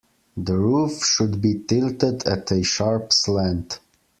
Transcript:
The roof should be tilted at a sharp slant.